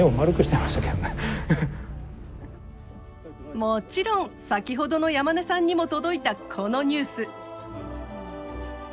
もちろん先ほどの山根さんにも届いたこのニュース。